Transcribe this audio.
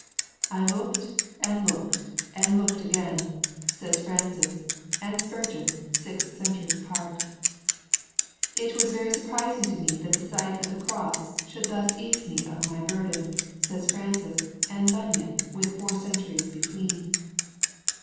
'I looked and looked and looked again!' say Francis and Spurgeon, six centuries apart. 'It was very surprising to me that the sight of the Cross should thus ease me of my burden!' say Francis and Bunyan, with four centuries between.